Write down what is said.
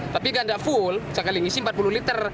tapi kan gak full sekali ngisi empat puluh liter